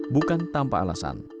bukan tanpa alasan